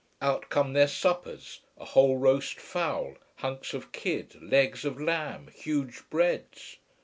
Out come their suppers: a whole roast fowl, hunks of kid, legs of lamb, huge breads.